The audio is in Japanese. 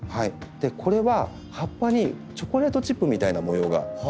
これは葉っぱにチョコレートチップみたいな模様が入るんです。